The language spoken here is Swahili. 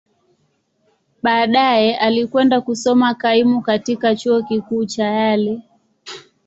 Baadaye, alikwenda kusoma kaimu katika Chuo Kikuu cha Yale.